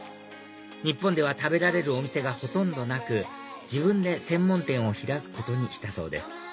日本では食べられるお店がほとんどなく自分で専門店を開くことにしたそうです